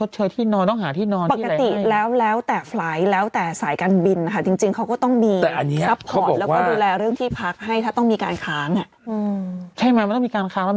ใช่มันได้มีสถานที่การค้าง